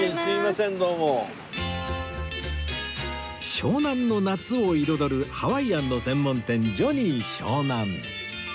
湘南の夏を彩るハワイアンの専門店ジョニー湘南